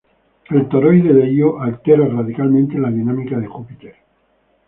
El toroide de Ío altera radicalmente la dinámica de Júpiter.